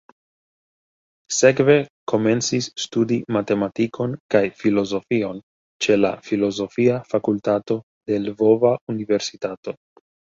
Sekve komencis studi matematikon kaj filozofion ĉe la Filozofia Fakultato de Lvova Universitato.